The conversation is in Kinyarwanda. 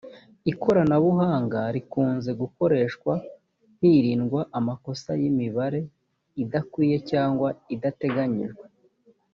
ikoranabuhanga rikunze gukoreshwa hirindwa amakosa y’ imibare idakwiye cyangwa idateganijwe.